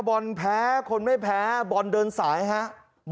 บอลแพ้คนไม่แพ้บอลเดินสายครับ